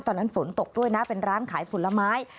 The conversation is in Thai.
ตอนนั้นฝนตกด้วยนะเป็นร้านขายผลไม้